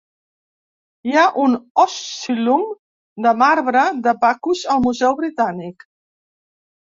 Hi ha un "oscillum" de marbre de Bacus al Museu Britànic.